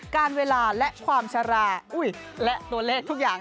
การเวลาและความชะลาและตัวเลขทุกอย่าง